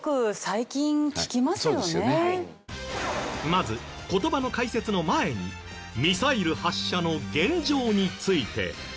まず言葉の解説の前にミサイル発射の現状について。